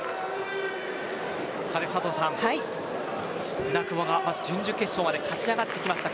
佐藤さん、舟久保がまず準々決勝に勝ち上がってきました。